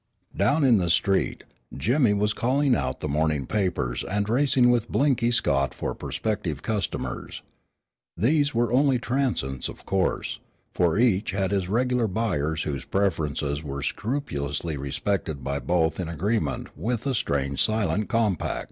Down in the street, Jimmy was calling out the morning papers and racing with Blinky Scott for prospective customers; these were only transients, of course, for each had his regular buyers whose preferences were scrupulously respected by both in agreement with a strange silent compact.